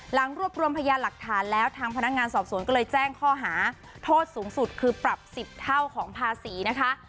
หลังรวบรวมพยานหลักฐานแล้วทางพนักงานสอบสวนก็เลยแจ้งข้อหาโทษสูงสุดคือปรับ๑๐เท่าของภาษีนะคะ